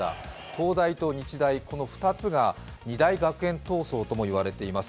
東大と日大、この２つが２大学園闘争とも言われています。